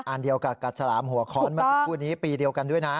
อันเดียวกับกับฉลามหัวค้อนมา๑๐คู่นี้ปีเดียวกันด้วยนะ